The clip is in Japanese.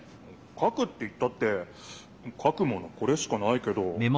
かくって言ったってかくものこれしかないけど？